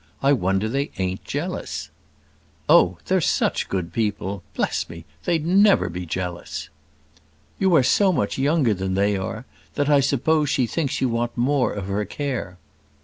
I wonder they ain't jealous." "Oh! they're such good people. Bless me, they'd never be jealous." "You are so much younger than they are, that I suppose she thinks you want more of her care."